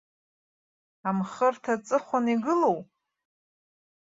Амхырҭа аҵыхәан игылоу?